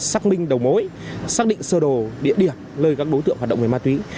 xác minh đầu mối xác định sơ đồ địa điểm nơi các đối tượng hoạt động về ma túy